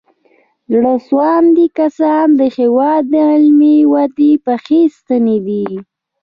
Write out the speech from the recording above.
زړه سواندي کسان د هېواد د علمي ودې پخې ستنې دي.